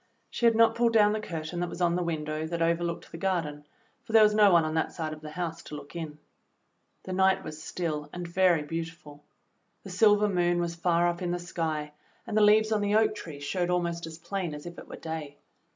She had not pulled down the curtain that was on the win dow that overlooked the garden, for there was no one on that side of the house to look in. The night was still and very beautiful. The silver moon was far up in the sky and the^ leaves on the oak tree showed almost as plain as if it were day.